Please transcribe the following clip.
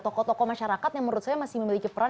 toko toko masyarakat yang menurut saya masih memiliki peran